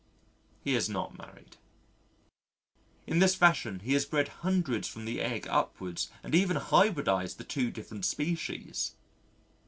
He is not married. In this fashion, he has bred hundreds from the egg upwards and even hybridised the two different species!